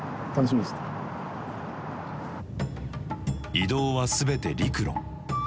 移動は全て陸路。